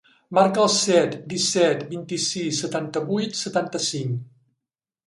Marca el set, disset, vint-i-sis, setanta-vuit, setanta-cinc.